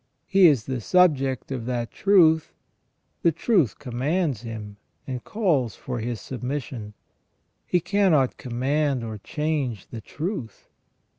He is the subject of that truth ; the truth commands him, and calls for his submission ; he cannot command or change the truth.